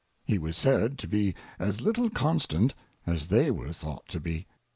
He was said to be as little constant as they were thought to be.